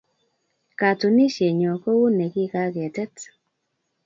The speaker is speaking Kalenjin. Katunisienyo ko u ne ki kaketet